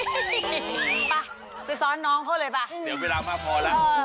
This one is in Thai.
ไปไปซ้อนน้องเข้าเลยไปเดี๋ยวเวลามาพอแล้ว